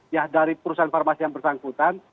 ya dari perusahaan farmasi yang bersangkutan